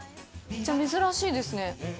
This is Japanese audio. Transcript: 珍しいですね。